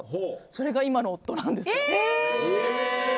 それが今の夫なんです。